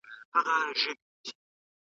خواړه یوازې کافي ویټامن نه ورکوي.